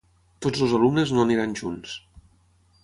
Tots els alumnes no aniran junts.